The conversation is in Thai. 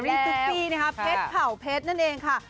เดอรี่ซุปปี้นะครับเผ็ดเผ่าเผ็ดนั่นเองค่ะ